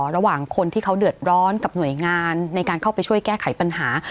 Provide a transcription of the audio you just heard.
ระหว่างคนที่เขาเดือดร้อนกับหน่วยงานในการเข้าไปช่วยแก้ไขปัญหา